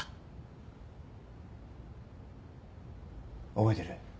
覚えてる？